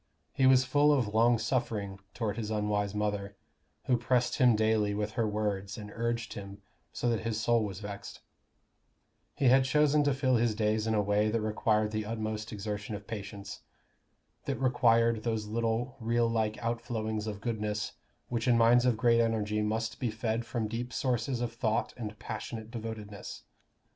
He was full of long suffering toward his unwise mother, who "pressed him daily with her words and urged him, so that his soul was vexed;" he had chosen to fill his days in a way that required the utmost exertion of patience, that required those little rill like outflowings of goodness which in minds of great energy must be fed from deep sources of thought and passionate devotedness.